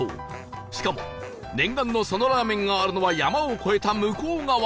しかも念願の佐野ラーメンがあるのは山を越えた向こう側